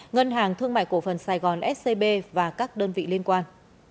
ngân hàng thương mại cổ phần sài gòn scb và các đơn vị liên quan